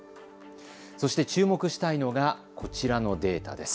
そして注目したいのが、こちらのデータです。